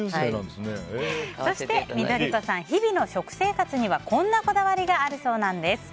そして、緑子さん日々の食生活にはこんなこだわりがあるそうなんです。